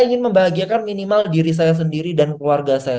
saya ingin membahagiakan minimal diri saya sendiri dan keluarga saya